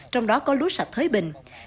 trong đó có lúa sạch thới bình